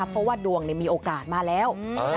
เพราะว่าดวงมีโอกาสมาแล้ว